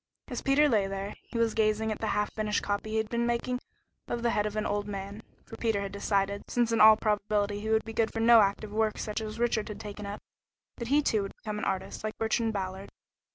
As Peter lay there, he was gazing at the half finished copy he had been making of the head of an old man, for Peter had decided, since in all probability he would be good for no active work such as Richard had taken up, that he too would become an artist, like Bertrand Ballard.